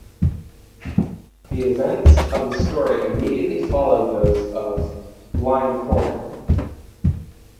The events of the story immediately follow those of "Blind Corner".